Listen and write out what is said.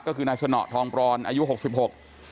ก็คือนาชนะทองปรอนอายุหกสิบหกก็มีในวัยยาวัชกรวัดนะฮะ